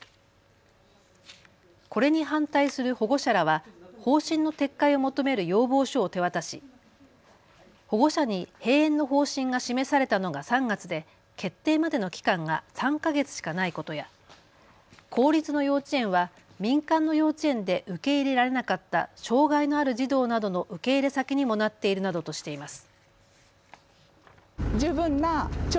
これに反対する保護者らは方針の撤回を求める要望書を手渡し保護者に閉園の方針が示されたのが３月で決定までの期間が３か月しかないことや公立の幼稚園は民間の幼稚園で受け入れられなかった障害のある児童などの受け入れ先にもなっているなどとしています。